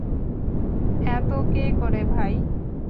এতো কে করে, ভাই?